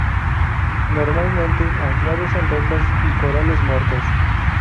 Normalmente anclados en rocas y corales muertos.